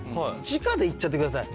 直でいっちゃってください。